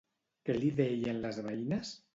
Què li deien les veïnes?